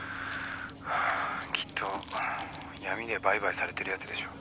きっと闇で売買されてるやつでしょ。